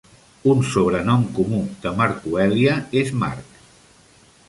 Un sobrenom comú de "Markuelia" és "Mark".